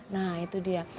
nah itu dia